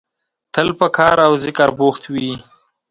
تل په کار او ذکر بوخت وي.